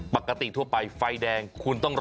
ปกติทั่วไปไฟแดงคุณต้องรอ